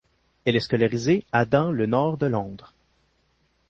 Elle est scolarisée à dans le nord de Londres.